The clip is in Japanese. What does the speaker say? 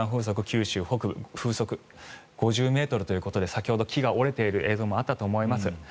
九州北部風速５０ｍということで先ほど木が折れている映像もあったと思います。